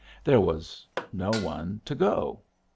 There was no one to go.